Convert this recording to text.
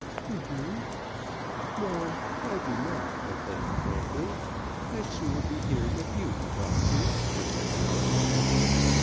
"Do you?" "No, I do not; I tell you frankly. I'd sooner be here with you to talk to, with you to look at."